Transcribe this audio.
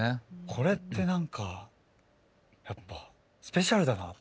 これって何かやっぱスペシャルだな。